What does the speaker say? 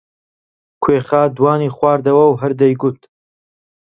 کوێخا دوانی خواردەوە و هەر دەیگوت: